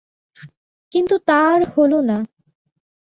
কিন্তু তা আর হল না।